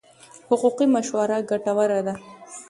حقوقي مشوره ګټوره ده.